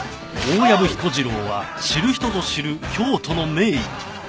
大藪彦次郎は知る人ぞ知る京都の名医